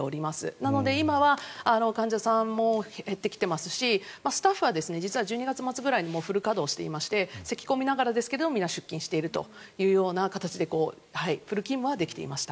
なので今は患者さんも減ってきていますしスタッフは実は１２月末ぐらいにフル稼働していましてせき込みながらですけど皆、出勤しているという形でフル勤務はできていました。